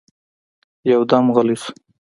يودم غلی شو.